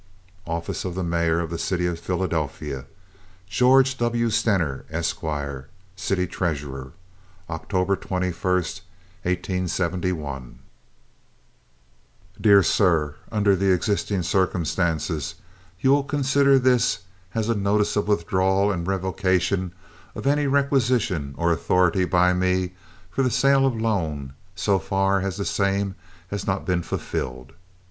OFFICE OF THE MAYOR OF THE CITY OF PHILADELPHIA GEORGE W. STENER, ESQ., October 21, 1871. City Treasurer. DEAR SIR—Under the existing circumstances you will consider this as a notice of withdrawal and revocation of any requisition or authority by me for the sale of loan, so far as the same has not been fulfilled.